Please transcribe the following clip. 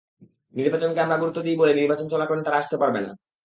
নির্বাচনকে আমরা গুরুত্ব দিই বলেই নির্বাচন চলাকালীন তারা আসতে পারবে না।